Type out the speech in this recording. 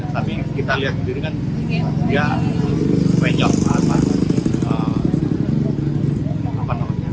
tapi kita lihat sendiri kan dia mencok apa namanya